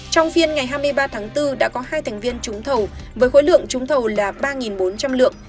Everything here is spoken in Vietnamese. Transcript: trong phiên ngày hai mươi ba tháng bốn đã có hai thành viên trúng thầu với khối lượng trúng thầu là ba bốn trăm linh lượng